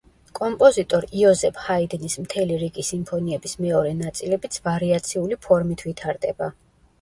კომპოზიტორ იოზეფ ჰაიდნის მთელი რიგი სიმფონიების მეორე ნაწილებიც ვარიაციული ფორმით ვითარდება.